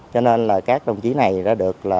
cho nên là các đồng chí này đã được